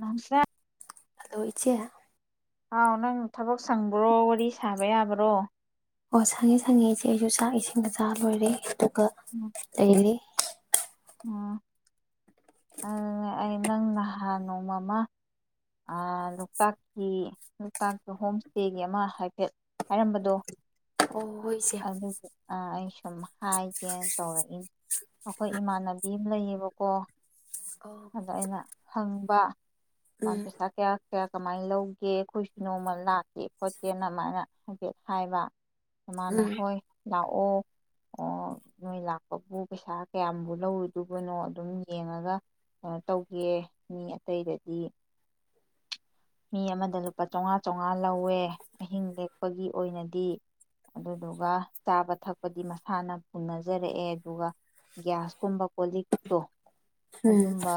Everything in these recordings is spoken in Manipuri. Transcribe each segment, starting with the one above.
ꯅꯪꯁꯦ ꯍꯂꯣ ꯏꯆꯦ ꯍꯥꯎ ꯅꯪ ꯊꯕꯛ ꯁꯪꯕ꯭ꯔꯣ ꯋꯥꯔꯤ ꯁꯥꯕ ꯌꯥꯕꯔꯣ ꯑꯣ ꯁꯪꯉꯦ ꯁꯪꯉꯦ ꯏꯆꯦ ꯑꯩꯁꯨ ꯆꯥꯛ ꯏꯁꯤꯡꯒ ꯆꯥꯥ ꯂꯣꯏꯔꯦ ꯇꯣꯛꯑꯒꯥ ꯂꯩꯔꯤ ꯑꯣꯍ ꯑꯗꯨꯗ ꯑꯩ ꯅꯪ ꯅꯍꯥꯟ ꯅꯣꯡꯃ ꯑꯃ ꯑꯥ ꯂꯣꯛꯇꯥꯛꯀꯤ ꯂꯣꯛꯇꯥꯛꯇꯥ ꯍꯣꯝ ꯏꯁꯇꯦꯒꯤ ꯑꯃ ꯍꯥꯏꯐꯦꯠ ꯍꯥꯏꯔꯝꯕꯗꯣ ꯑꯣ ꯍꯣꯏ ꯏꯆꯦ ꯑꯗꯨꯒ ꯑꯥ ꯑꯩꯁ ꯗꯨꯝ ꯍꯥꯏꯒꯦꯅ ꯇꯧꯔꯛꯏꯅꯤ ꯑꯩꯈꯣꯏ ꯏꯃꯥꯟꯅꯕꯤ ꯑꯃ ꯂꯩꯌꯦꯕꯀꯣ ꯑꯣ ꯑꯗꯨ ꯑꯩꯅ ꯍꯪꯕ ꯃꯅ ꯎꯝ ꯄꯩꯁꯥ ꯀꯌ ꯀꯌꯥ ꯀꯃꯥꯏꯅ ꯂꯧꯒꯦ ꯑꯩꯈꯣꯏꯁꯨ ꯅꯣꯡꯃ ꯂꯥꯛꯀꯦ ꯈꯣꯠꯀꯦꯅ ꯑꯗꯨꯃꯥꯏꯅ ꯍꯥꯏꯐꯦꯠ ꯍꯥꯏꯕ ꯃꯥꯃꯥꯟꯅ ꯎꯝ ꯍꯣꯏ ꯂꯥꯛꯑꯣ ꯑꯣ ꯑꯣ ꯅꯣꯏ ꯂꯥꯛꯄꯕꯨ ꯄꯩꯁꯥ ꯀꯌꯥꯝꯕꯨ ꯂꯧꯔꯨꯗꯨꯕꯅꯣ ꯑꯗꯨꯝ ꯌꯦꯡꯉꯒ ꯀꯩꯅꯣ ꯇꯧꯒꯦ ꯃꯤ ꯑꯇꯩꯗꯗꯤ ꯃꯤ ꯑꯃꯗ ꯂꯨꯄꯥ ꯆꯥꯝꯃꯉꯥ ꯆꯥꯝꯃꯉꯥ ꯂꯧꯋꯦ ꯑꯍꯤꯡ ꯂꯦꯛꯄꯒꯤ ꯑꯣꯏꯅꯗꯤ ꯑꯗꯨꯗꯨꯒ ꯆꯥꯕ ꯊꯛꯄꯗꯤ ꯃꯁꯥꯅ ꯄꯨꯅꯖꯔꯛꯑꯦ ꯑꯗꯨꯒ ꯒ꯭ꯌꯥꯁꯀꯨꯝꯕ ꯀꯣ ꯂꯤꯛꯇꯣ ꯎꯝ ꯑꯗꯨꯝꯕ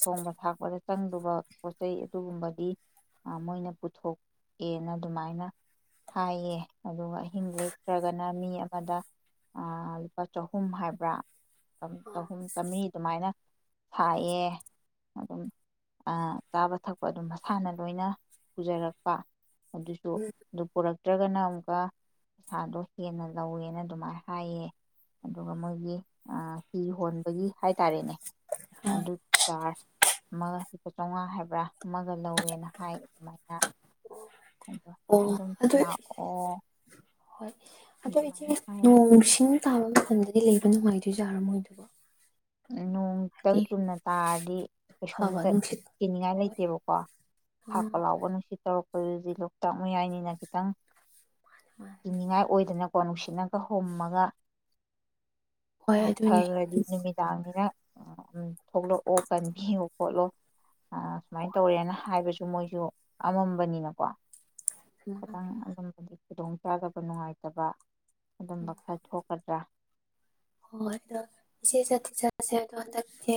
ꯊꯣꯡꯕ ꯊꯥꯛꯄꯗ ꯆꯪꯗꯧꯕ ꯄꯣꯠ ꯆꯩꯩ ꯑꯗꯨꯒꯨꯝꯕꯗꯤ ꯃꯣꯏꯅ ꯄꯨꯊꯣꯛꯑꯦꯅ ꯑꯗꯨꯃꯥꯏꯅ ꯍꯥꯏꯌꯦ ꯑꯗꯨꯒ ꯑꯍꯤꯡ ꯂꯦꯛꯇ꯭ꯔꯒꯅ ꯃꯤ ꯑꯃꯗ ꯂꯨꯄꯥ ꯆꯍꯨꯝ ꯍꯥꯏꯕ꯭ꯔꯥ ꯆꯍꯨꯝ ꯆꯥꯝꯃꯔꯤ ꯑꯗꯨꯃꯥꯏꯅ ꯁꯥꯏꯑꯦ ꯑꯗꯨꯝ ꯆꯥꯕ ꯊꯛꯄ ꯑꯗꯨꯝ ꯃꯁꯥꯅ ꯂꯣꯏꯅ ꯄꯨꯖꯔꯛꯄ ꯑꯗꯨꯁꯨ ꯑꯗꯨ ꯄꯨꯔꯛ ꯅꯠꯇ꯭ꯔꯒꯅ ꯑꯃꯨꯛꯀ ꯄꯩꯁꯥꯗꯣ ꯍꯦꯟꯅ ꯂꯧꯋꯦꯅ ꯑꯗꯨꯃꯥꯏꯅ ꯍꯥꯏꯌꯦ ꯑꯗꯨꯒ ꯃꯣꯏꯒꯤ ꯍꯤ ꯍꯣꯟꯕꯒꯤ ꯍꯥꯏꯇꯥꯔꯦꯅꯦ ꯎꯝ ꯑꯗꯨ ꯆꯥꯔꯖ ꯑꯃ ꯂꯨꯄꯥ ꯆꯥꯝꯃꯉꯥ ꯍꯥꯏꯕ ꯕ꯭ꯔꯥ ꯑꯃꯒ ꯂꯧꯋꯦꯅ ꯍꯥꯏ ꯑꯗꯨꯃꯥꯏꯅ ꯑꯗꯣ ꯑꯣ ꯑꯗꯨꯝ ꯂꯥꯛꯑꯣ ꯑꯗꯨꯃꯥꯏꯅ ꯍꯥꯏ ꯅꯣꯡꯁꯤꯡ ꯇꯥꯕ ꯃꯇꯝꯗꯗꯤ ꯗꯤ ꯂꯩꯕ ꯅꯨꯡꯉꯥꯏꯗꯣꯏ ꯖꯥꯔꯣ ꯃꯣꯏꯗꯨꯕꯣ ꯅꯣꯡꯇꯪ ꯍꯥꯏꯗꯤ ꯆꯨꯝꯅ ꯇꯥꯔꯗꯤ ꯐꯕ ꯀꯩꯁꯨꯝꯇ ꯅꯨꯡꯁꯤꯠ ꯀꯤꯅꯤꯡꯉꯥꯏ ꯍꯣꯏ ꯂꯩꯇꯦꯕꯀꯣ ꯈꯥꯛꯄ ꯎꯝ ꯂꯥꯎꯕ ꯅꯨꯡꯁꯤꯠ ꯇꯧꯔꯛꯄ ꯑꯩꯈꯣꯏꯗꯤ ꯂꯣꯛꯇꯥꯛ ꯃꯌꯥꯏꯅꯤꯅ ꯈꯤꯇꯪ ꯃꯥꯅꯤ ꯀꯤꯡꯅꯤꯡꯉꯥꯏ ꯑꯣꯏꯗꯅ ꯐꯣ ꯅꯨꯡꯁꯤꯠꯅꯒ ꯍꯨꯝꯃꯒ ꯍꯣꯏ ꯑꯗꯨꯅꯤ ꯅꯤꯅ ꯊꯣꯛꯂꯛꯑꯣ ꯀꯟꯕꯤꯌꯣ ꯈꯣꯠꯂꯣ ꯁꯨꯃꯥꯏꯅ ꯇꯧꯔꯦꯅ ꯍꯥꯏꯕꯁꯨ ꯃꯣꯏꯁꯨ ꯑꯃꯝꯕꯅꯤꯅꯀꯣ ꯃꯥꯅꯤ ꯈꯇꯪ ꯑꯗꯨꯃꯗꯤ ꯈꯨꯗꯣꯡ ꯆꯥꯗꯕ ꯅꯨꯡꯉꯥꯏꯇꯕ ꯑꯗꯨꯝꯕ ꯈꯔ ꯊꯣꯛꯀꯗ꯭ꯔꯥ ꯍꯣꯏ ꯍꯣꯏ ꯑꯗꯣ ꯏꯆꯦ ꯆꯠꯇꯤ ꯆꯠꯂꯁꯦ ꯑꯗꯣ ꯍꯟꯗꯛꯁꯦ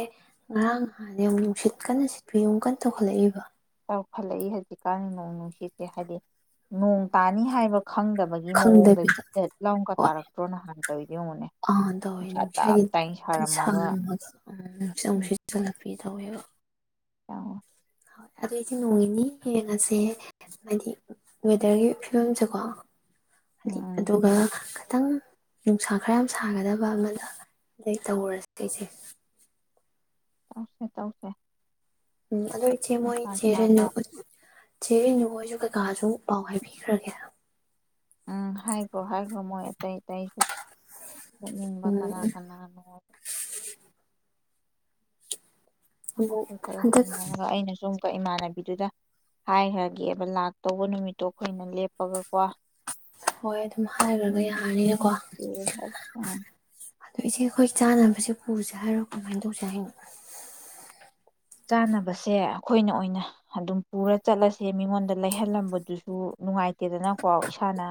ꯉꯔꯥꯡ ꯅꯍꯥꯟꯗ ꯑꯃꯨꯛ ꯅꯨꯡꯁꯤꯠ ꯀꯟꯅ ꯁꯤꯠꯄ ꯑꯃꯨꯛ ꯀꯟꯅ ꯇꯧꯈꯠꯂꯛꯏꯕ ꯆꯥꯎꯈꯠꯂꯛꯏ ꯍꯧꯖꯤꯛꯀꯥꯟꯒꯤ ꯅꯣꯡ ꯅꯨꯡꯁꯤꯠꯁꯦ ꯍꯥꯏꯗꯤ ꯅꯣꯡ ꯇꯥꯅꯤ ꯍꯥꯏꯕ ꯈꯪꯗꯕꯒꯤ ꯈꯪꯗꯕꯤꯗ ꯃꯑꯣꯡꯗ [inaudible] ꯍꯣꯏ ꯇꯥꯔꯛꯇ꯭ꯔꯣ ꯅꯍꯥꯟꯅ ꯇꯧꯏꯗꯣ ꯌꯦꯡꯉꯣꯅꯦ ꯑꯥ ꯇꯧꯋꯦ ꯅꯨꯡꯁꯥ ꯇꯞ ꯅꯨꯡꯁꯥꯒꯤ ꯇꯥꯏꯅ ꯁꯥꯔꯝꯃꯒ ꯎꯝ ꯄꯤ ꯇꯧꯋꯦꯕ ꯎꯝ ꯍ ꯑꯗꯨ ꯏꯆꯦ ꯅꯣꯡꯅꯤꯅꯤ ꯌꯦꯡꯉꯁꯦ ꯍꯥꯏꯗꯤ ꯋꯦꯗꯔꯒꯤ ꯐꯤꯕꯝꯁꯦꯀꯣ ꯍꯥꯏꯗꯤ ꯎꯝ ꯑꯗꯨꯒ ꯈꯤꯇꯪ ꯅꯨꯡꯁꯥ ꯈꯔ ꯌꯥꯝ ꯁꯥꯒꯗꯕ ꯑꯃꯗ ꯑꯗꯩ ꯇꯧꯔꯁ ꯑꯩꯁꯦ ꯇꯧꯁꯦ ꯇꯧꯁꯦ ꯎꯝ ꯑꯗꯣ ꯏꯆꯦ ꯃꯣꯏ ꯅꯨꯡꯁꯥ ꯆꯦ ꯔꯦꯅꯨ ꯁꯥꯕ ꯆꯦ ꯔꯦꯅꯨ ꯍ ꯑꯩꯁꯨ ꯀꯀꯥꯁꯨ ꯄꯥꯎ ꯍꯥꯏꯕꯤꯈ꯭ꯔꯒꯦ ꯎꯝ ꯍꯥꯏꯒ꯭ꯔꯣ ꯍꯥꯏꯒ꯭ꯔꯣ ꯃꯣꯏ ꯑꯇꯩ ꯑꯇꯩꯁꯨ ꯆꯠꯅꯤꯡꯕ ꯀꯅꯥ ꯎꯝ ꯀꯅꯥꯅꯣ ꯑꯃꯨꯛ ꯃꯈꯣꯏ ꯈꯔ ꯍꯟꯗꯛ ꯍꯧꯅꯔꯒ ꯑꯩꯅꯁꯨ ꯑꯃꯨꯛ ꯏꯃꯥꯟꯅꯕꯤꯗꯨꯗ ꯍꯥꯏꯈ꯭ꯔꯒꯦꯕ ꯂꯥꯛꯇꯧꯕ ꯅꯨꯃꯤꯠꯇꯣ ꯑꯩꯈꯣꯏꯅ ꯂꯦꯞꯄꯒꯀꯣ ꯍꯣꯏ ꯑꯗꯨꯝ ꯍꯥꯏꯒ‍꯭ꯔꯒ ꯌꯥꯔꯅꯤꯀꯣ ꯂꯥꯛꯀꯦ ꯏꯆꯦ ꯑꯩꯈꯣꯏ ꯆꯥꯅꯕꯁꯦ ꯄꯨꯁꯦ ꯍꯥꯏꯔꯣ ꯀꯃꯥꯏ ꯇꯧꯁꯦ ꯍꯥꯏꯅꯣ ꯆꯥꯅꯕꯁꯦ ꯑꯩꯈꯣꯏꯅ ꯑꯣꯏꯅ ꯑꯗꯨꯝ ꯄꯨꯔ ꯆꯠꯂꯁꯦ ꯆꯥꯅꯕꯁꯦ ꯑꯩ ꯈꯣꯏꯅ ꯑꯣꯏꯅ ꯑꯗꯨꯝ ꯄꯨꯔ ꯆꯠꯂꯁꯦ ꯃꯤꯉꯣꯟꯗ ꯂꯩꯍꯜꯂꯝꯕꯗꯨꯁꯨ ꯅꯨꯡꯉꯥꯏꯇꯦꯗꯅꯀꯣ ꯏꯁꯥꯅ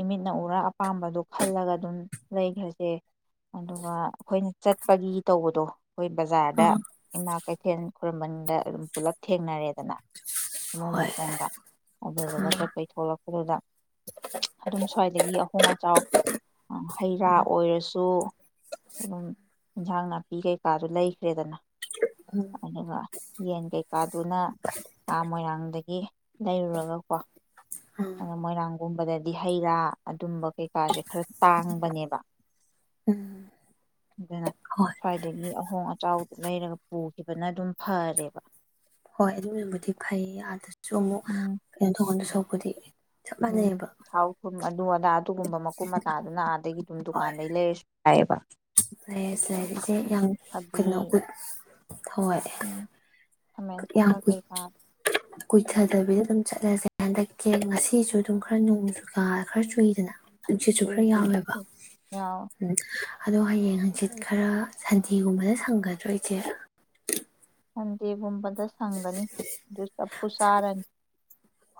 ꯏꯃꯤꯠꯅ ꯎꯔ ꯑꯄꯥꯝꯕꯗꯣ ꯈꯜꯂꯒ ꯑꯗꯨꯝ ꯂꯩꯒ꯭ꯔꯖꯦ ꯑꯗꯨꯒ ꯑꯩꯈꯣꯏꯅ ꯆꯠꯄꯒꯤ ꯇꯧꯕꯗꯣ ꯈꯣꯏ ꯕꯖꯥꯔꯗ ꯑꯥ ꯏꯃꯥ ꯈ꯭ꯋꯥꯏꯔꯝꯕꯟꯗ ꯑꯗꯨꯝ ꯄꯨꯂꯞ ꯊꯦꯡꯅꯔꯦꯗꯅ ꯁꯥꯃꯨ ꯍꯣꯏ ꯃꯈꯣꯡꯗ ꯑꯗꯨꯗꯨꯒ ꯑꯥ ꯆꯠꯄꯩ ꯊꯣꯛꯂꯛ ꯑꯗꯨꯗ ꯑꯗꯨꯝ ꯁ꯭ꯋꯥꯏꯗꯒꯤ ꯑꯍꯣꯡ ꯑꯆꯥꯎ ꯍꯩ ꯔꯥ ꯑꯣꯏꯔꯁꯨ ꯑꯗꯨꯝ ꯑꯦꯟꯖꯥꯡ ꯅꯥꯄꯤ ꯀꯩꯀꯥꯗꯣ ꯂꯩꯈ꯭ꯔꯦꯗꯅ ꯑꯗꯨꯒ ꯌꯦꯟ ꯀꯩꯀꯥꯗꯨꯅꯥ ꯃꯣꯏꯔꯥꯡꯗꯒꯤ ꯂꯩꯔꯨꯔꯒꯀꯣ ꯑꯗꯨꯒ ꯌꯦꯟ ꯀꯩ ꯀꯥꯗꯨꯅ ꯑꯥ ꯃꯣꯏꯔꯥꯡꯗꯒꯤ ꯂꯩꯔꯨꯔꯥꯒ ꯀꯣ ꯑꯥ ꯃꯣꯏꯔꯥꯡꯒꯨꯝꯕꯗꯗꯤ ꯍꯩ ꯔꯥ ꯑꯗꯨꯝꯕ ꯀꯩꯀꯥꯁꯦ ꯈꯔ ꯇꯥꯡꯕꯅꯦꯕ ꯎꯝ ꯑꯗꯨꯅ ꯍꯣꯏ ꯁ꯭ꯋꯥꯏꯗꯒꯤ ꯑꯍꯣꯡ ꯑꯆꯥꯎꯗꯨ ꯂꯩꯔꯒ ꯄꯨꯈꯤꯕꯅ ꯑꯗꯨꯝ ꯐꯔꯦꯕ ꯍꯣꯏ ꯑꯗꯨꯅꯕꯨꯗꯤ ꯐꯩ ꯑꯥꯗ ꯁꯨ ꯑꯃꯨꯛ ꯎꯝ ꯀꯩꯅꯣ ꯊꯣꯡꯗꯣꯏ ꯁꯔꯨꯛꯄꯨꯗꯤ ꯆꯞ ꯎꯝ ꯃꯥꯟꯅꯩꯑꯕ ꯊꯥꯎ ꯊꯨꯝ ꯑꯗꯨ ꯑꯗꯥ ꯑꯗꯨꯒꯨꯝꯕ ꯃꯀꯨꯞ ꯃꯇꯥꯗꯨꯅ ꯑꯥꯗꯒꯤ ꯑꯗꯨꯝ ꯗꯨꯀꯥꯟꯗꯩ ꯂꯩꯁꯨ ꯌꯥꯏꯕ ꯂꯩꯔꯖꯦ ꯏꯆꯦ ꯌꯥꯝ ꯊꯕꯤ ꯀꯨꯏꯅ [inaudible] ꯍꯣꯏ ꯎꯝ ꯈꯥꯃꯦꯟ ꯌꯥꯝ ꯑꯁꯤꯟꯕ ꯀꯨꯏ ꯀꯩꯀꯥ ꯀꯨꯏꯊꯗꯕꯤꯗ ꯑꯗꯨꯝ ꯆꯠꯂꯁꯦ ꯍꯟꯗꯛꯇꯤ ꯉꯁꯤꯁꯨ ꯑꯗꯨꯝ ꯈꯔ ꯅꯣꯡ ꯑ ꯈꯔ ꯆꯨꯏꯗꯅ ꯅꯨꯡꯁꯤꯠꯁꯨ ꯀꯨꯏ ꯈꯔ ꯀꯨꯏꯅ ꯌꯥꯎꯑꯦꯕ ꯌꯥꯎ ꯎꯝ ꯑꯗꯣ ꯍꯌꯦꯡ ꯍꯪꯆꯤꯠ ꯈꯔ ꯁꯟꯗꯦꯒꯨꯝꯕꯗ ꯁꯪꯒꯗ꯭ꯔꯣ ꯏꯁꯦ ꯁꯟꯗꯦꯒꯨꯝꯕ ꯑꯗ ꯁꯪꯒꯅꯤ ꯑꯗꯨ ꯆꯞꯄꯨ ꯆꯥꯔꯅꯤ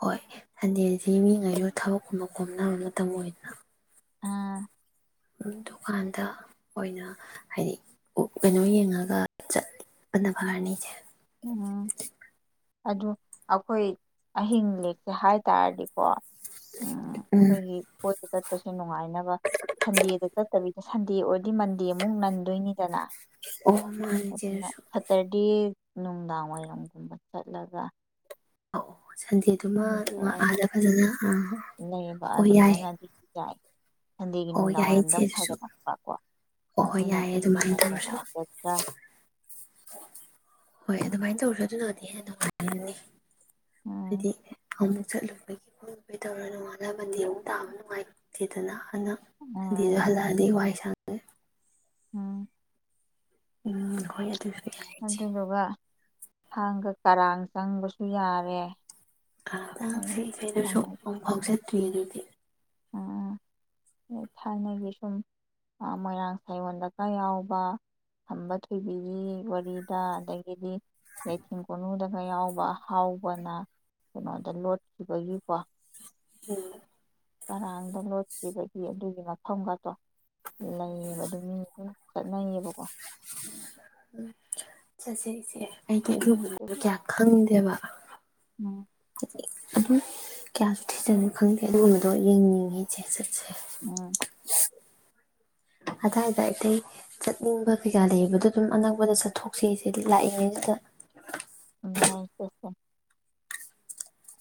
ꯍꯣꯏ ꯁꯟꯗꯦꯗꯤ ꯃꯤꯉꯩꯁꯨ ꯊꯕꯛꯀꯨꯝꯕ ꯈꯣꯝꯅꯕ ꯃꯇꯝ ꯑꯣꯏꯗꯅ ꯎꯝ ꯗꯨꯀꯥꯟꯗ ꯑꯣꯏꯅ ꯍꯥꯏꯗꯤ ꯀꯩꯅꯣ ꯌꯦꯡꯉꯒ ꯆꯠꯄꯅ ꯐꯔꯅꯤ ꯏꯆꯦ ꯎꯝ ꯑꯗꯨ ꯑꯩꯈꯣꯏ ꯑꯍꯤꯡ ꯂꯦꯛꯄ ꯍꯥꯏꯇꯥꯔꯗꯤꯀꯣ ꯎꯝ ꯑꯩꯈꯣꯏꯒꯤ ꯀꯣꯏꯕ ꯆꯠ ꯅꯨꯡꯉꯥꯏꯅꯕ ꯁꯟꯗꯦꯗ ꯆꯠꯇꯕꯤꯗ ꯁꯟꯗꯦ ꯑꯣꯏꯔꯗꯤ ꯃꯟꯗꯦꯃꯨꯛ ꯅꯟꯗꯣꯏꯅꯤꯗꯅ ꯑꯣ ꯃꯥꯅꯦ ꯏꯆꯦꯁꯨ ꯁꯇꯔꯗꯦ ꯅꯨꯡꯗꯥꯡ ꯋꯥꯏꯔꯝꯒꯨꯝꯕ ꯆꯠꯂꯒ ꯑꯧ ꯑꯍꯤꯡ ꯂꯦꯛꯑꯒ ꯁꯟꯗꯦꯗꯨꯃꯑꯥꯗ ꯐꯖꯅ ꯑꯥ ꯂꯩꯕ ꯍꯣꯏ ꯌꯥꯏ ꯑꯗꯨꯃꯥꯏꯅ ꯑꯗꯨꯁꯨ ꯌꯥꯏ ꯁꯟꯗꯦꯒꯤ ꯑꯣ ꯌꯥꯏꯌꯦ ꯅꯨꯡꯗꯥꯡꯋꯥꯏꯔꯝꯗ ꯏꯆꯦ ꯑꯃꯨꯛ ꯑꯗꯨꯁꯨ ꯍꯥꯏꯒꯠꯛꯄ ꯀꯣ ꯑꯣ ꯍꯣꯏ ꯌꯥꯏꯌꯦ ꯑꯗꯨꯅꯗꯤ ꯑꯗꯨꯃꯥꯏꯅ ꯍꯦꯟꯅ ꯇꯧꯔꯁꯨ ꯅꯨꯡꯉꯥꯏꯒꯗ꯭ꯔꯥ ꯍꯣꯏ ꯑꯗꯨꯃꯥꯏꯅ ꯇꯧꯔꯁꯨ ꯑꯗꯨꯅꯗꯤ ꯍꯦꯟꯅ ꯅꯨꯡꯉꯥꯏ ꯔꯅꯤ ꯎꯝ ꯍꯥꯏꯗꯤ ꯑꯃꯨꯛ ꯆꯠꯂꯨꯕꯒꯤ ꯈꯣꯠꯂꯨꯕꯒꯤ ꯇꯧꯔꯒ ꯅꯣꯡꯉꯥꯟꯂ ꯃꯟꯗꯦ ꯑꯃꯨꯛ ꯇꯥꯕ ꯅꯨꯡꯉꯥꯏꯇꯦꯗꯅ ꯑꯗꯨꯅ ꯎꯝ ꯁꯟꯗꯦꯗ ꯎꯝ ꯍꯜꯂꯛꯑꯗꯤ ꯋꯥꯏ ꯁꯥꯡ ꯎꯝ ꯎꯝ ꯍꯣꯏ ꯑꯗꯨꯁꯨ ꯌꯥꯏ ꯏꯆꯦ ꯑꯗꯨꯗꯨꯒ ꯊꯥꯡꯒ ꯀꯔꯥꯡ ꯆꯪꯕꯁꯨ ꯌꯥꯔꯦ ꯑꯗꯥꯡ ꯑꯗꯨ [inaudible] ꯊꯥꯏꯅꯒꯤ ꯑꯃꯨꯛ ꯐꯥꯎ ꯆꯠꯇ꯭ꯔꯤ ꯎꯝ ꯑꯗꯨꯗꯤ ꯊꯥꯏꯅꯒꯤ ꯁꯨꯝ ꯃꯣꯏꯔꯥꯡ ꯁꯥꯏꯌꯣꯟꯗꯀ ꯌꯥꯎꯕ ꯈꯝꯕ ꯊꯣꯏꯕꯤꯒꯤ ꯋꯥꯔꯤꯗ ꯑꯗꯒꯤꯗꯤ ꯂꯩꯊꯦꯡ ꯀꯣꯅꯨꯗꯒ ꯌꯥꯎꯕ ꯍꯥꯎ ꯀꯩꯅꯣꯗ ꯂꯣꯠꯈꯤꯕꯒꯤꯀꯣ ꯎꯝ ꯀꯔꯥꯡꯗ ꯂꯣꯠꯈꯤꯕꯒꯤ ꯑꯗꯨꯒꯤ ꯃꯐꯝꯒ ꯗꯣ ꯂꯩꯌꯦꯕ ꯑꯗꯨ ꯃꯤꯅꯁꯨꯝ ꯆꯠꯅꯩꯌꯦꯕꯀꯣ ꯆꯠꯁꯦ ꯏꯆꯦ ꯑꯩꯗꯤ ꯎꯝ ꯑꯗꯨꯒꯨꯝꯕꯗꯣ ꯀꯌꯥ ꯈꯪꯗꯦꯕ ꯎꯝ ꯑꯗꯨꯝ ꯀꯌꯥꯁꯨ ꯊꯤꯖꯟ ꯈꯪꯗꯦ ꯑꯗꯨꯒꯨꯝꯕꯗꯣ ꯌꯦꯡꯅꯤꯡꯉꯤ ꯏꯆꯦ ꯆꯠ ꯎꯝ ꯑꯗꯨꯋꯥꯏꯗ ꯑꯇꯩ ꯆꯠꯅꯤꯡꯕ ꯀꯩꯀꯥ ꯂꯩꯕꯗꯣ ꯑꯗꯨꯝ ꯑꯅꯛꯄꯗ ꯆꯠꯊꯣꯛꯁꯦꯁꯦ ꯂꯥꯛꯏꯉꯩꯁꯤꯗ ꯌꯥꯏ ꯆꯠꯁꯦ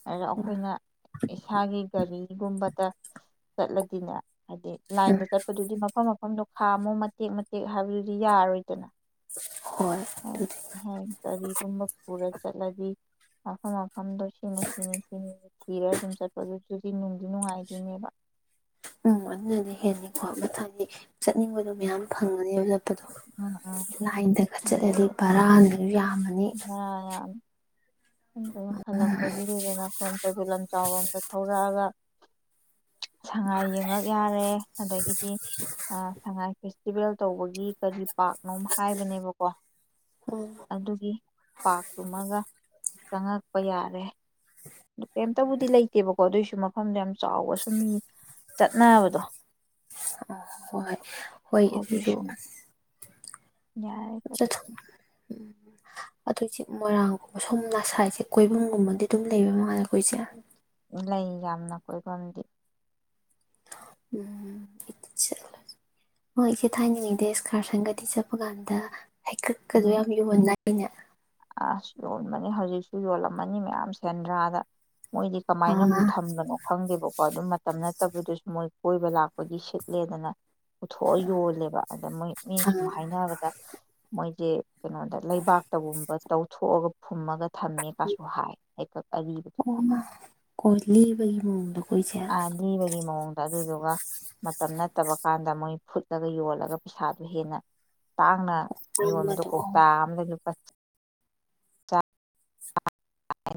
ꯑꯗꯣ ꯎꯝ ꯑꯩꯈꯣꯏꯅ ꯏꯁꯥꯒꯤ ꯒꯥꯔꯤꯒꯨꯝꯕꯗ ꯆꯠꯂꯗꯤꯅꯦ ꯍꯥꯏꯗꯤ ꯎꯝ ꯂꯥꯏꯟꯗ ꯆꯠꯄꯗꯨꯗꯤ ꯃꯐꯝ ꯃꯐꯝꯗꯣ ꯈꯥꯝꯃꯣ ꯃꯇꯦꯛ ꯃꯇꯦꯛ ꯍꯥꯏꯕꯗꯨꯗꯤ ꯌꯥꯔꯣꯏꯗꯅ ꯍꯣꯏ ꯍꯝ [inaudible] ꯄꯨꯔ ꯆꯠꯂꯗꯤ ꯃꯐꯝ ꯃꯐꯝꯗꯣ ꯁꯤꯅꯤ ꯁꯤꯅꯤ ꯁꯤꯅꯤ ꯊꯤꯔ ꯑꯗꯨꯝ ꯆꯠꯄꯗꯨ ꯆꯨꯗꯤ ꯅꯨꯡꯗꯤ ꯅꯨꯡꯉꯥꯏꯗꯣꯏꯅꯦꯕ ꯎꯝ ꯑꯗꯨꯅꯗꯤ ꯍꯦꯜꯅꯤꯀꯣ ꯃꯊꯗꯤ ꯆꯠꯅꯤꯡꯕꯗꯣ ꯃꯌꯥꯝ ꯐꯪꯉꯅꯤꯕ ꯂꯝ ꯗꯣ ꯎꯝ ꯎꯝ ꯂꯥꯏꯟꯗꯒ ꯆꯠꯂꯗꯤ ꯕꯔꯥ ꯌꯥꯝ ꯑꯥ ꯑꯗꯨ ꯍꯜꯂꯛꯄꯒꯤ ꯗꯨꯗꯅ ꯁꯣꯝ ꯄꯩꯕꯨꯜ ꯂꯝ ꯆꯥꯎꯔꯣꯝꯗ ꯊꯧꯔꯛꯑꯒ ꯁꯉꯥꯏ ꯌꯦꯡꯉꯛ ꯌꯥꯔꯦ ꯑꯗꯒꯤꯗꯤ ꯁꯉꯥꯏ ꯐꯦꯁꯇꯤꯚꯦꯜ ꯇꯧꯕꯒꯤ ꯀꯔꯤ ꯄꯥꯛꯔꯅꯣ ꯍꯥꯏꯕꯅꯦꯕꯀꯣ ꯎꯝ ꯑꯗꯨꯒꯤ ꯄꯥꯛ ꯇꯨꯃꯒ ꯆꯪꯉꯛꯄ ꯌꯥꯔꯦ ꯀꯩꯝꯇꯕꯨꯗꯤ ꯂꯩꯇꯦꯕꯀꯣ ꯑꯗꯨꯑꯣꯏꯁꯨ ꯃꯐꯝꯗꯣ ꯌꯥꯝ ꯆꯥꯎꯕ ꯁꯨꯝ ꯆꯠꯅꯕꯗꯣ ꯍꯣꯏ ꯍꯣꯏ ꯑꯗꯨꯁꯨ ꯌꯥꯏ ꯄꯠꯇ ꯑꯗꯨꯏꯁ ꯃꯣꯏꯔꯥꯡꯒꯨꯝꯕ ꯁꯣꯝ ꯅꯁꯥꯏꯁꯦ ꯀꯣꯏꯕꯨꯝꯒꯨꯝꯕꯗꯤ ꯑꯗꯨꯝ ꯂꯩꯕ ꯃꯉꯥꯂꯗꯦ ꯑꯩꯈꯣꯏꯁꯦ ꯂꯩ ꯌꯥꯝꯅ ꯀꯣꯏꯐꯝꯗꯤ ꯍꯣꯏ ꯏꯆꯦ ꯊꯥꯏꯅꯤꯡꯉꯤꯗꯦ ꯏꯁꯀꯥꯔꯁꯟꯒꯗꯤ ꯆꯠꯄ ꯀꯥꯟꯗ ꯍꯩꯀꯛꯀꯗꯣ ꯎꯝ ꯌꯥꯝ ꯌꯨꯝꯃꯟꯅ ꯑꯩꯅꯦ ꯑꯁ ꯌꯣꯟꯕꯅꯤ ꯍꯧꯖꯤꯛꯁꯨ ꯌꯣꯜꯂꯝꯃꯅꯤ ꯃꯌꯥꯝ ꯁꯦꯟꯗ꯭ꯔꯥꯗ ꯃꯣꯏꯗꯤ ꯀꯃꯥꯏꯅ ꯑꯃꯕꯨꯛ ꯑꯥ ꯊꯝꯝꯕꯅꯣ ꯈꯪꯒꯦꯕ ꯀꯣ ꯑꯗꯨꯝ ꯃꯇꯝ ꯅꯠꯇꯕꯗꯁꯨ ꯃꯣꯏ ꯀꯣꯏꯕ ꯂꯥꯛꯄꯒꯤ ꯁꯤꯠꯂꯦꯗꯅ ꯄꯨꯊꯣꯛꯑ ꯌꯣꯜꯂꯦꯕ ꯑꯗ ꯃꯣꯏ ꯃꯤꯅ ꯁꯨꯝ ꯍꯥꯏꯅꯕꯗ ꯃꯣꯏꯗꯤ ꯀꯩꯅꯣꯗ ꯂꯩꯕꯥꯛꯇꯒꯨꯝꯕ ꯇꯧꯊꯣꯛꯑꯒ ꯐꯨꯝꯃꯒ ꯊꯝꯃꯦ ꯀꯁꯨ ꯍꯥꯏ ꯍꯀ ꯑꯔꯤꯕꯗꯨ ꯑꯥ ꯀꯣ ꯂꯤꯕꯒꯤ ꯃꯑꯣꯡꯗꯀꯣ ꯏꯆꯦ ꯑꯔꯤꯕꯒꯤ ꯃꯑꯣꯡ ꯑꯗꯨꯗꯨꯒ ꯃꯇꯝ ꯅꯠꯇꯕ ꯀꯥꯟꯗ ꯃꯣꯏ ꯐꯨꯠꯂꯒ ꯌꯣꯜꯂꯒ ꯄꯩꯁꯥꯗꯨꯣ ꯍꯦꯟꯅ ꯇꯥꯡꯅ ꯌꯣꯟꯕꯗ ꯉꯥꯡꯕꯗꯣ ꯑꯣ ꯀꯧꯇꯥ ꯑꯃꯗ ꯂꯨꯄꯥ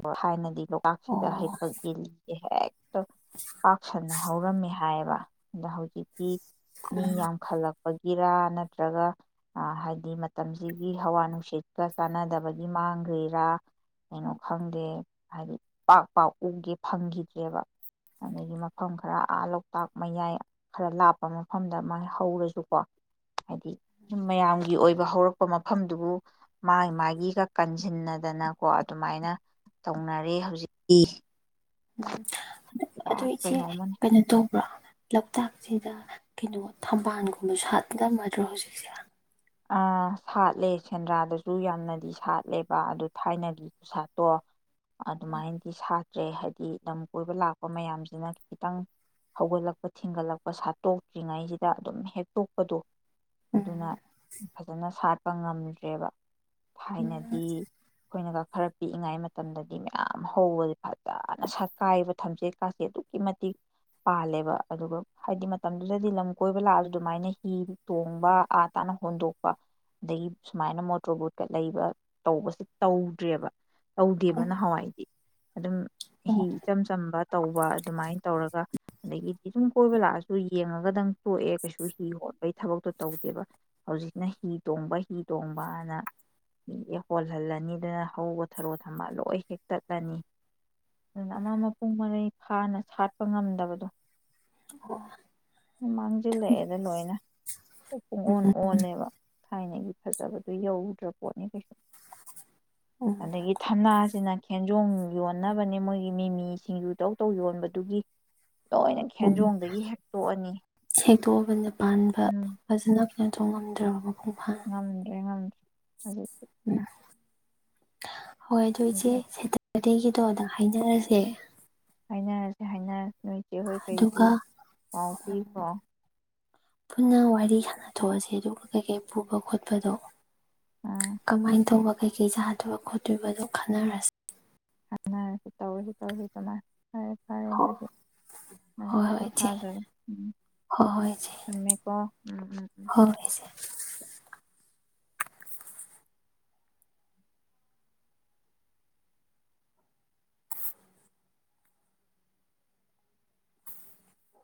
ꯍꯥꯏ ꯍꯥꯏꯅꯗꯤ ꯂꯣꯛꯇꯥꯛꯁꯤꯗ ꯑꯣ ꯍꯩꯀꯛ ꯏꯜꯂꯤꯒꯦ ꯍꯦꯛ ꯄꯁꯟꯅ ꯍꯧꯔꯝꯃꯦ ꯍꯥꯏꯌꯦꯕ ꯑꯗ ꯍꯧꯖꯤꯛ ꯃꯤ ꯌꯥꯝꯈꯜꯂꯛꯄ ꯒꯤꯔꯥ ꯅꯠꯇ꯭ꯔꯒ ꯍꯥꯏꯗꯤ ꯃꯇꯝꯁꯤꯒꯤ ꯍꯋꯥ ꯅꯨꯡꯁꯤꯠꯀ ꯆꯥꯟꯅꯗꯕꯒꯤ ꯃꯥꯡꯈ꯭ꯔꯤꯔꯥ ꯀꯩꯅꯣ ꯈꯪꯗꯦ ꯍꯥꯏꯗꯤ ꯄꯥꯛ ꯄꯥꯛꯎꯒꯦ ꯐꯪꯈꯤꯗ꯭ꯔꯦꯕ ꯑꯗꯒꯤ ꯃꯐꯝ ꯈꯔ ꯑꯥ ꯂꯣꯛꯇꯥꯛ ꯃꯌꯥꯏ ꯈꯔ ꯂꯥꯞꯄ ꯃꯐꯝꯗ ꯃꯥꯥꯏ ꯍꯧꯔꯁꯨꯀꯣ ꯍꯥꯏꯗꯤ ꯁꯨꯝ ꯃꯌꯥꯝꯒꯤ ꯑꯣꯏꯕ ꯍꯧꯔꯛꯄ ꯃꯐꯝꯗꯨꯕꯨ ꯃꯥꯒꯤ ꯃꯥꯒꯤꯒ ꯀꯟꯁꯤꯟꯅꯗꯅ ꯀꯣ ꯑꯗꯨꯃꯥꯏꯅ ꯇꯧꯅꯔꯦ ꯍꯧꯖꯤꯛꯇꯤ ꯎꯝ ꯑꯗꯣ ꯏꯆꯦ ꯀꯩꯅꯣꯝꯃ ꯀꯩꯅꯣ ꯇꯧ ꯭ꯔ ꯂꯣꯛꯇꯥꯛꯁꯤꯗ ꯀꯩꯅꯣ ꯊꯝꯕꯥꯜꯒꯨꯝꯕꯁꯨꯠꯂꯝꯝꯃꯗ꯭ꯔꯣ ꯍꯧꯖꯤꯛꯁꯦ ꯑ ꯁꯥꯠꯂꯦ ꯁꯦꯟꯗ꯭ꯔꯥꯗꯁꯨ ꯌꯥꯝꯅꯗꯤ ꯁꯥꯠꯂꯦꯕ ꯑꯗꯨ ꯊꯥꯏꯅꯒꯤ ꯄꯁꯥꯠꯇꯣ ꯑꯗꯨꯃꯥꯏꯅꯗꯤ ꯁꯥ ꯍꯥꯏꯗꯤ ꯂꯝ ꯀꯣꯏꯕ ꯂꯥꯛꯄ ꯃꯌꯥꯝꯁꯤꯅ ꯈꯤꯇꯪ ꯍꯧꯒꯠꯂꯛꯄ ꯊꯤꯡꯒꯠꯂꯛꯄ ꯁꯥꯠꯇꯣꯛꯇ꯭ꯔꯤꯉꯩꯁꯤꯗ ꯑꯗꯨꯝ ꯍꯦꯛꯇꯣꯛꯄꯗꯣ ꯎꯝ ꯑꯗꯨꯅ ꯐꯖꯅ ꯁꯥꯠꯄ ꯉꯝꯗ꯭ꯔꯦꯕ ꯊꯥꯏꯅꯗꯤ ꯑꯩꯈꯣꯏꯅꯒ ꯈꯔ ꯄꯤꯛꯏꯉꯩ ꯃꯇꯝꯗꯗꯤ ꯃꯌꯥꯝ ꯍꯧꯕꯁꯦ ꯐꯖꯅ ꯁꯛ ꯀꯥꯏꯕ ꯊꯝꯆꯦꯠꯀꯥꯁꯦꯠ ꯑꯗꯨꯛꯀꯤ ꯃꯇꯤꯛ ꯄꯥꯜꯂꯦꯕ ꯑꯗꯨꯒ ꯍꯥꯏꯗꯤ ꯃꯇꯝꯗꯨꯗꯗꯤ ꯂꯝ ꯀꯣꯏꯕ ꯂꯥꯛꯑꯁꯨ ꯑꯗꯨꯃꯥꯏꯅ ꯍꯤ ꯇꯣꯡꯕ ꯑꯥꯠ ꯍꯞꯇꯥꯅ ꯍꯣꯟꯗꯣꯛꯄ ꯑꯗꯒꯤ ꯁꯨꯃꯥꯏꯅ ꯃꯣꯇꯣꯔ ꯕꯣꯠꯀ ꯂꯩꯕ ꯇꯧꯕꯁꯦ ꯇꯧꯗ꯭ꯔꯦꯕ ꯇꯧꯗꯦꯕ ꯅꯍꯥꯟꯋꯥꯏꯗꯤ ꯑꯗꯨꯝ ꯎꯝ ꯍꯤ ꯏꯆꯝ ꯆꯝꯕ ꯇꯧꯕ ꯑꯗꯨꯃꯥꯏꯅ ꯇꯧꯔꯒ ꯑꯗꯒꯤꯗꯤ ꯁꯨꯝ ꯀꯣꯏꯕ ꯂꯥꯛꯑꯁꯨ ꯌꯦꯡꯉꯒꯗꯪ ꯇꯣꯛꯑꯦ ꯀꯩꯁꯨ ꯍꯤ ꯍꯣꯠꯄꯒꯤ ꯊꯕꯛꯇꯣ ꯇꯧꯗꯦꯕ ꯍꯧꯖꯤꯛꯅ ꯍꯤ ꯇꯣꯡꯕ ꯍꯤ ꯇꯣꯡꯕꯅ ꯍꯣꯜꯍꯜꯂꯅꯤ ꯑꯗꯨꯅ ꯍꯧꯕ ꯊꯔꯣ ꯊꯝꯕ ꯂꯣꯏ ꯍꯦꯛꯛꯇꯠꯂꯅꯤ ꯑꯗꯨꯅ ꯑꯃ ꯃꯄꯨꯡ ꯃꯔꯩ ꯐꯥꯅ ꯁꯥꯠꯄ ꯉꯝꯗꯕꯗꯣ ꯃꯥꯡꯁꯤꯜꯂꯛꯑꯦꯗ ꯂꯣꯏꯅ ꯑꯣ ꯃꯣꯅ ꯑꯣꯜꯂꯦꯕ ꯊꯥꯏꯅꯒꯤ ꯐꯖꯕꯗꯨꯣ ꯌꯧꯗ꯭ꯔ ꯄꯣꯠꯅꯤ ꯀꯩꯁꯨ ꯎꯝ ꯑꯗꯒꯤ ꯊꯅꯥ ꯁꯤꯅ ꯈꯦꯟꯖꯣ ꯌꯣꯟꯅꯕꯅꯦ ꯃꯣꯏꯒꯤ ꯃꯤꯃꯤ ꯁꯤꯡꯖꯨ ꯇꯧ ꯇꯧ ꯌꯣꯟꯕꯗꯨꯒꯤ ꯂꯣꯏꯅ ꯑꯣ ꯈꯦꯟꯖꯣꯡꯗꯒꯤ ꯍꯦꯛꯇꯣꯛꯑꯅꯤ ꯍꯦꯛꯇꯣꯛꯑꯕꯅ ꯄꯥꯟꯕ ꯐꯖꯅ [unintelligible] ꯌꯥꯝꯁꯨ ꯉꯝꯗ꯭ꯔꯕꯣ ꯉꯝꯗꯔꯦ ꯉꯝꯘꯔꯦ ꯑꯗꯨ ꯎꯝ ꯍꯣꯏ ꯑꯥꯗꯣ ꯏꯆꯦ ꯁꯇ [unintelligible] ꯑꯇꯩꯒꯤꯗꯣ ꯑꯗ ꯍꯥꯏꯅꯔꯁꯦ ꯍꯥꯏꯅꯔꯁꯦ ꯍꯥꯏꯅ ꯅꯣꯏꯆꯦ ꯍꯣꯏ ꯀꯔꯤꯁꯨ ꯑꯗꯨꯒ ꯄꯥꯎ ꯄꯤꯈꯣ ꯁꯥꯟꯅꯊꯣꯛꯑꯁ ꯑꯗꯨꯒ ꯀꯩꯀꯩ ꯄꯨꯕ ꯈꯣꯠꯄꯗꯣ ꯑꯥ ꯀꯃꯥꯏꯅ ꯇꯧꯕ ꯀꯩꯀꯩ ꯁꯥꯗꯣꯏꯔꯤꯕ ꯈꯣꯠꯇꯣꯏꯔꯤꯕꯗꯣ ꯈꯟꯅꯔꯁꯤ ꯈꯟꯔꯥꯁꯤ ꯇꯧꯔꯁꯤ ꯇꯧꯔꯁꯤ ꯀꯃꯥꯏ ꯍꯣꯏ ꯍꯣꯏꯆꯦ ꯄꯣꯊꯥꯖꯔꯣ ꯎꯝ ꯍ ꯍꯣꯏꯁꯦ ꯊꯝꯃꯦꯀꯣ ꯎꯝ ꯎꯝ ꯎꯝ ꯍꯁꯦ